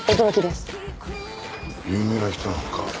有名な人なのか？